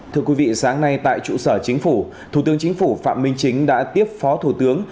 thưa quý vị sáng nay tại trụ sở chính phủ thủ tướng chính phủ phạm minh chính đã tiếp phó thủ tướng